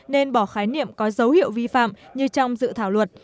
nên bỏ khái niệm có dấu hiệu vi phạm như trong dự thảo luật